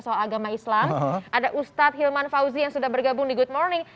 soal agama islam ada ustadz hilman fauzi yang sudah bergabung di good morning